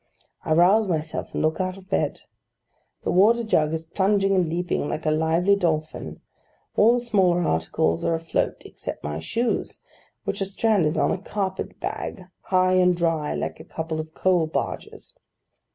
I rouse myself, and look out of bed. The water jug is plunging and leaping like a lively dolphin; all the smaller articles are afloat, except my shoes, which are stranded on a carpet bag, high and dry, like a couple of coal barges.